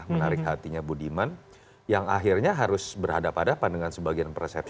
menarik hatinya budiman yang akhirnya harus berhadapan hadapan dengan sebagian persepsi